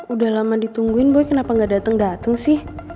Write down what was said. udah lama ditungguin boy kenapa gak dateng dateng sih